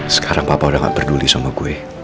sekarang papa udah gak peduli sama gue